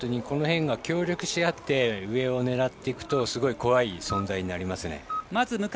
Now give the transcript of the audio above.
この辺が協力し合って上を狙っていくとすごい怖い存在になりますね。